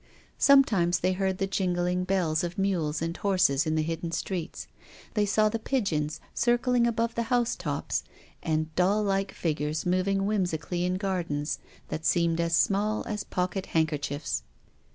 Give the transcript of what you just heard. Sometimes they heard the jingling bells of mules and horses in the hidden streets; they saw the pigeons circling above the house tops, and doll like figures moving whim sically in gardens that seemed as small as pocket handkerchiefs.